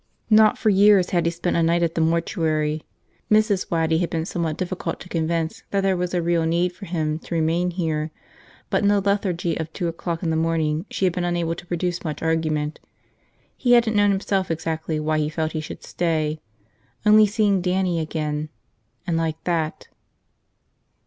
Not for years had he spent a night at the mortuary. Mrs. Waddy had been somewhat difficult to convince that there was a real need for him to remain here, but in the lethargy of two o'clock in the morning she had been unable to produce much argument. He hadn't known himself exactly why he felt he should stay. Only seeing Dannie again ... and like that.